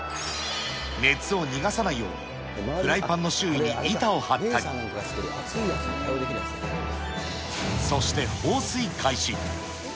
熱を逃がさないように、フライパンの周囲に板を張ったり、そして放水開始。